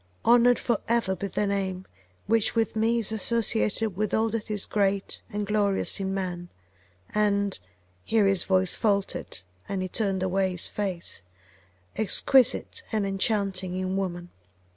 Honoured for ever be the name, which with me is associated with all that is great and glorious in man, and [here his voice faltered, and he turned away his face] exquisite and enchanting in woman!